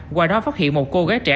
qua đó phát hiện một cô gái trẻ